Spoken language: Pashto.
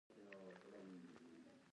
پانګه وال د کوچنیو پروژو مالي ملاتړ کوي.